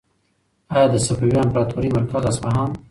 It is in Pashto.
ایا د صفوي امپراطورۍ مرکز اصفهان و؟